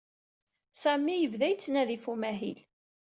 Sami yebda yettnadi ɣef umahil.